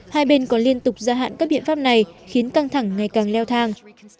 hai bên còn liên tục gia hạn các biện pháp này khiến căng thẳng ngày càng leo thang